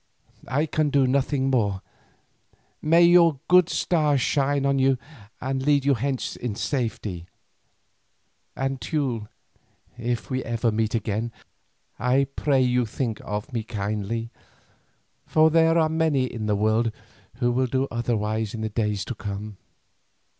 I can do nothing more. May your good star shine on you and lead you hence in safety; and Teule, if we never meet again, I pray you think of me kindly, for there are many in the world who will do otherwise in the days to come."